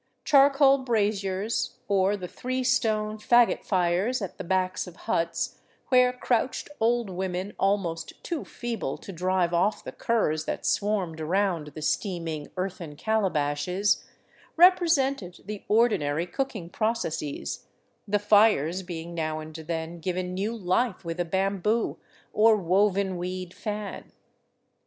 Charcoal braziers, or the three stone, fagot fires at the backs of huts, where crouched old women almost too feeble to drive off the curs that swarmed around the steaming earthen calabashes, represented the ordinary cooking processes, the fires being now and then given new life with a bamboo, or woven weed fan.